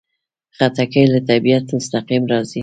خټکی له طبیعته مستقیم راځي.